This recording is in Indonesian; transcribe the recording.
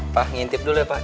pak ngintip dulu ya pak